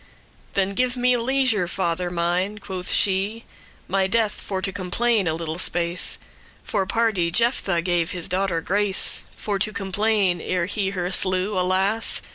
"Then give me leisure, father mine, quoth she, "My death for to complain* a little space *bewail For, pardie, Jephthah gave his daughter grace For to complain, ere he her slew, alas!